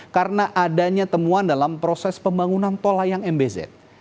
karena adanya temuan dalam proses pembangunan tola yang mbz